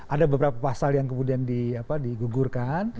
ada beberapa pasal yang kemudian digugurkan